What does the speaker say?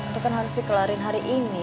itu kan harus dikelarin hari ini